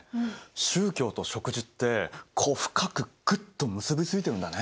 宗教と食事ってこう深くグッと結び付いてるんだね。